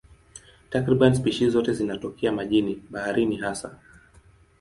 Takriban spishi zote zinatokea majini, baharini hasa.